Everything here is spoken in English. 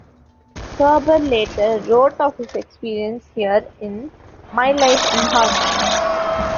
Thurber later wrote of his experience here in "My Life and Hard Times".